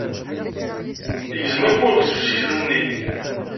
Yegzem-d afurk seg useklu-nni.